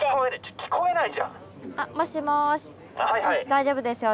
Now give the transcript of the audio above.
大丈夫ですよ